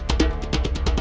kau kan jadi berharga